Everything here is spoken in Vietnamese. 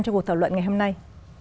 cho cuộc thảo luận ngày hôm nay